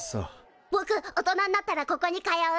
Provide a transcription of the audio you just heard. ぼく大人んなったらここに通う。